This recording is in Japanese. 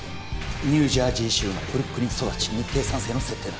ニュージャージー州生まれブルックリン育ち日系三世の設定だ